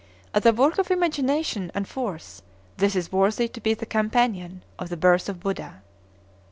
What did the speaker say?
As a work of imagination and force this is worthy to be the companion of the Birth of Buddha.